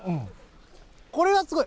これはすごい。